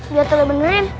biar toleh menerim